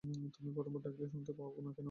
তুমি, প্রথমবার ডাকলে শোনতে পাও না কেন?